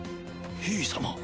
ひい様。